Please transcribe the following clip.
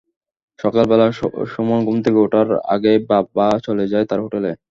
সকালবেলা সুমন ঘুম থেকে ওঠার আগেই বাবা চলে যায় তার হোটেলে।